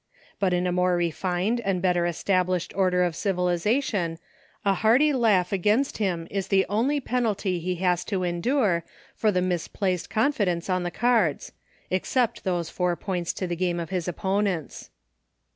But in a more refined and better established order of civilization, a hearty laugh against him is the only penalty he has to endure for the misplaced confidence on the cards — except those four points to the game of his opponents.